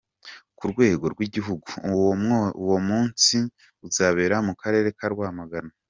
Ku rwego rw’Igihugu, uwo munsi uzabera mu Karere ka Rwamagana.